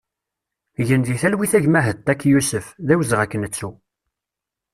Gen di talwit a gma Hettak Yusef, d awezɣi ad k-nettu!